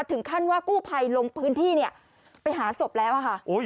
ถึงขั้นว่ากู้ภัยลงพื้นที่ไปหาศพแล้วค่ะ